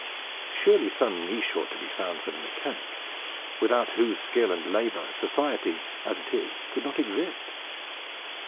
Surely some niche ought to be found for the Mechanic, without whose skill and labour society, as it is, could not exist.